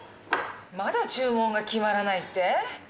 まだ注文が決まらないって？